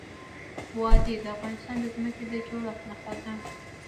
وادي د افغانستان د ځمکې د جوړښت نښه ده.